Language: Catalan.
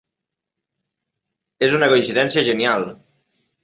És una coincidència genial!